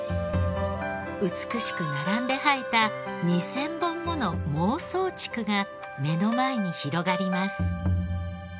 美しく並んで生えた２０００本もの孟宗竹が目の前に広がります。